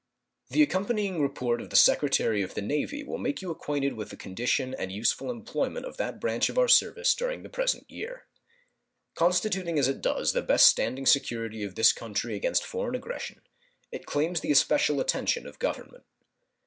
The accompanying report of the Secretary of the Navy will make you acquainted with the condition and useful employment of that branch of our service during the present year. Constituting as it does the best standing security of this country against foreign aggression, it claims the especial attention of Government.